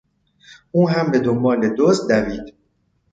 او هم به دنبال دزد دوید.